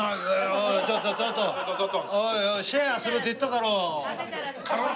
おいおいシェアするって言っただろ。